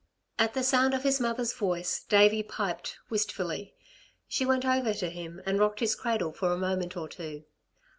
At the sound of his mother's voice, Davey piped, wistfully. She went over to him and rocked his cradle for a moment or two.